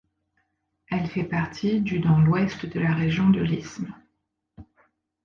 Elle fait partie du dans l'ouest de la région de l'Isthme.